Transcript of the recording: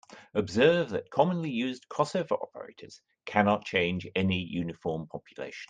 Observe that commonly used crossover operators cannot change any uniform population.